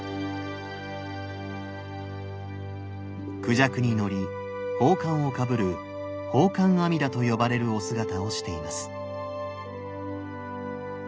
クジャクに乗り宝冠をかぶる宝冠阿弥陀と呼ばれるお姿をしています。